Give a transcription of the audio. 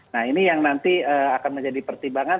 nah ini yang nanti akan menjadi pertimbangan